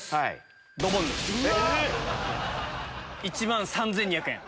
１万３２００円。